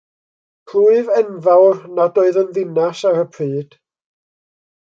Plwyf enfawr, nad oedd yn ddinas ar y pryd.